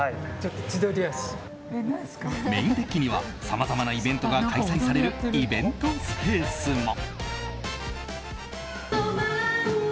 メインデッキにはさまざまなイベントが開催されるイベントスペースも。